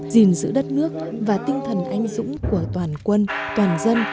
gìn giữ đất nước và tinh thần anh dũng của toàn quân toàn dân